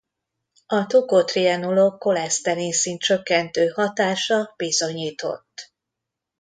A tokotrienolok koleszterinszint-csökkentő hatása bizonyított.